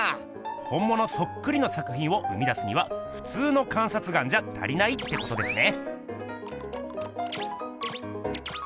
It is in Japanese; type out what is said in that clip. ほんものそっくりの作品を生み出すにはふつうの観察眼じゃ足りないってことですね。